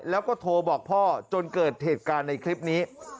แล้วก็โทรบอกพ่อจนเกิดเหตุการณ์ในคลิปนี้